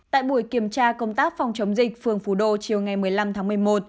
tại buổi kiểm tra công tác phòng chống dịch phường phú đô chiều ngày một mươi năm tháng một mươi một